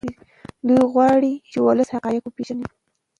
دی غواړي چې ولس حقایق وپیژني.